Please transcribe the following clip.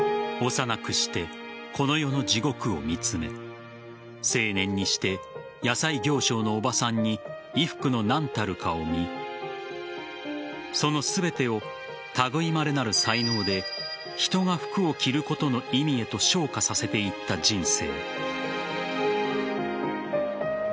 幼くしてこの世の地獄を見つめ青年にして野菜行商のおばさんに衣服の何たるかを見その全てを類まれなる才能で人が服を着ることへの意味へと昇華させていった人生。